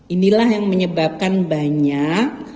inilah yang menyebabkan banyak